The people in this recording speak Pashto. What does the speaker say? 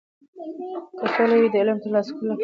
که سوله وي، د علم د ترلاسه کولو لپاره چانس زیات دی.